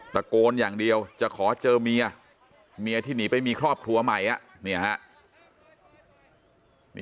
ตะโกนอย่างเดียวจะขอเจอเมียเมียที่หนีไปมีครอบครัวใหม่เนี่ยฮะ